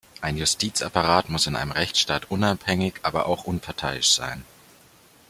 Ein Justizapparat muss in einem Rechtsstaat unabhängig, aber auch unparteiisch sein.